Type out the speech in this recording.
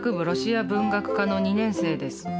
ロシア文学科の２年生です。